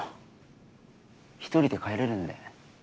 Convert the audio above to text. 一人で帰れるんで。